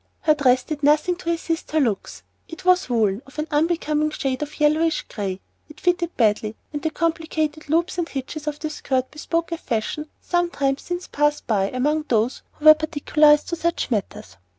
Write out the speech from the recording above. Her dress did nothing to assist her looks. It was woollen, of an unbecoming shade of yellowish gray; it fitted badly, and the complicated loops and hitches of the skirt bespoke a fashion some time since passed by among those who were particular as to such matters.